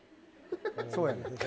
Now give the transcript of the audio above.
そうやねん。